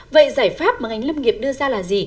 vậy giải pháp mà ngành lâm nghiệp đưa ra là gì